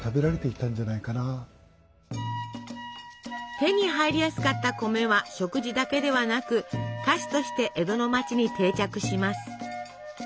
手に入りやすかった米は食事だけではなく菓子として江戸の町に定着します。